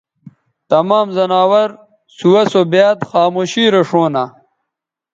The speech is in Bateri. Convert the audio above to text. تمام زناور سُوہ سو بیاد خاموشی رے ݜؤں نہ